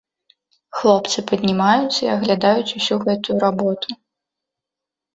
Хлопцы паднімаюцца і аглядаюць усю гэтую работу.